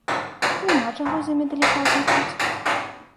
Няма чаго з імі далікатнічаць.